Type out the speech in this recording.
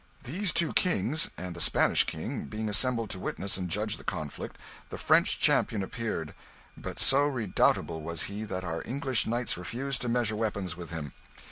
These two kings, and the Spanish king, being assembled to witness and judge the conflict, the French champion appeared; but so redoubtable was he, that our English knights refused to measure weapons with him.